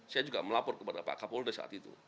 saya juga melapor kepada pak kapolda saat itu